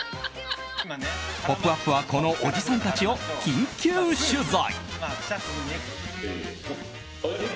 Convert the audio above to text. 「ポップＵＰ！」はこのおじさんたちを緊急取材。